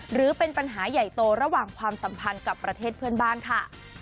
หรือเป็นปัญหาใหญ่โตระหว่างความสัมพันธ์กับประเทศเพื่อนบ้านค่ะ